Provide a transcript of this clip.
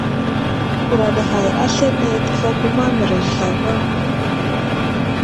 Huraɗ ghay aslane təfakuma mərəz zlavaŋ.